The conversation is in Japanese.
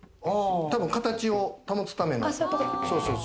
たぶん形を保つための。